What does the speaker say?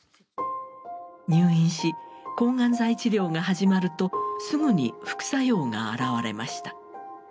入院し抗がん剤治療が始まるとすぐに副作用が現れました。